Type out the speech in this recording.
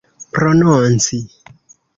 prononci